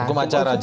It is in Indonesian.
hukum acara aja